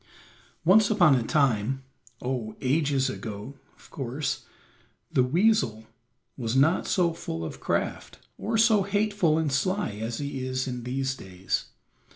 Once upon a time, oh, ages ago, of course, the weasel was not so full of craft, or so hateful and sly as he is in these days.